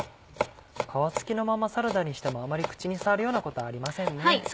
皮付きのままサラダにしてもあまり口に障るようなことはありませんね。